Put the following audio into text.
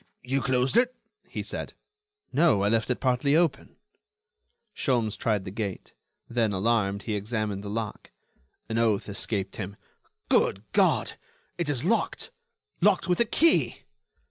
"Ah! you closed it?" he said. "No, I left it partly open." Sholmes tried the gate; then, alarmed, he examined the lock. An oath escaped him: "Good God! it is locked! locked with a key!"